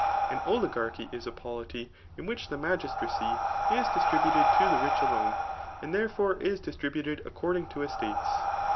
An oligarchy is a polity |^in which the magistracy is distribnted to the rich alone,] and therefore is distri buted according to estates.